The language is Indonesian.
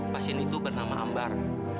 pasien itu bernama ambar